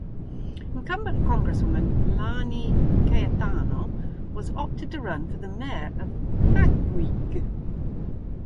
Incumbent Congresswoman Lani Cayetano has opted to run for mayor of Taguig.